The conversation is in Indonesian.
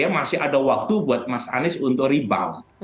masih ada waktu buat mas anies untuk rebound